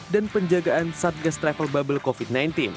dan penjagaan satgas travel bubble covid sembilan belas